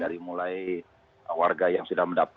dari mulai warga yang sudah mendapatkan